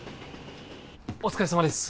お疲れさまです